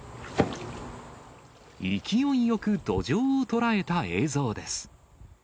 勢いよくドジョウを捕らえた映像です。